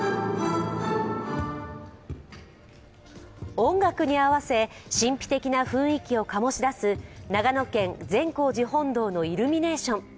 音楽に合わせ、神秘的な雰囲気を醸し出す長野県善光寺本堂のイルミネーション。